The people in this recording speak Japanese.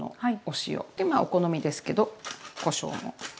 でまあお好みですけどこしょうも。